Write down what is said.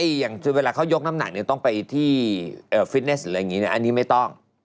อย่างเวลาเขายกน้ำหนักเนี่ยต้องไปที่ฟิตเนสอะไรอย่างนี้อันนี้ไม่ต้อง